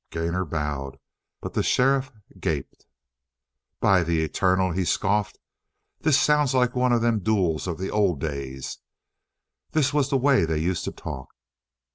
Gainor bowed, but the sheriff gaped. "By the eternal!" he scoffed. "This sounds like one of them duels of the old days. This was the way they used to talk!"